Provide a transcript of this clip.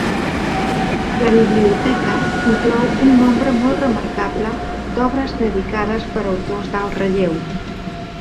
La biblioteca inclou un nombre molt remarcable d'obres dedicades per autors d'alt relleu.